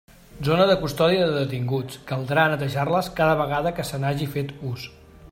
Zona de custòdia de detinguts: caldrà netejar-les cada vegada que se n'hagi fet ús.